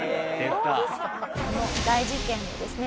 この大事件のですね